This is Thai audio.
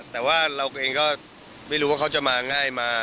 แต่ว่าเราเองก็ไม่รู้ว่าเขาจะมาง่ายมา